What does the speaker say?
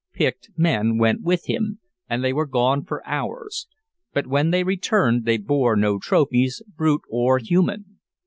Picked men went with him, and they were gone for hours; but when they returned they bore no trophies, brute or human.